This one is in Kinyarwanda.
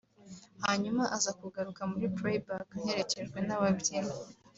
hanyuma aza kugaruka muri playback aherekejwe n’ababyinnyi